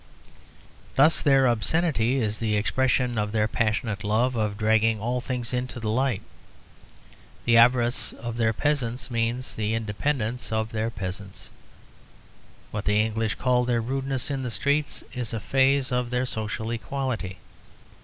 Thus their obscenity is the expression of their passionate love of dragging all things into the light. The avarice of their peasants means the independence of their peasants. What the English call their rudeness in the streets is a phase of their social equality.